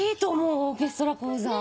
オーケストラ講座。